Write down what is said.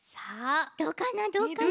どうかなどうかな。